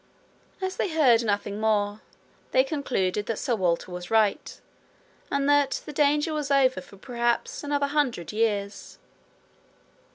As they heard nothing more, they concluded that Sir Walter was right, and that the danger was over for perhaps another hundred years.